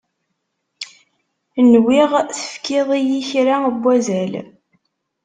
Nwiɣ tefkiḍ-iyi kra n wazal.